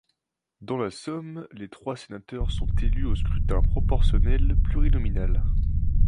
Dans la Somme, les trois sénateurs sont élus au scrutin proportionnel plurinominal.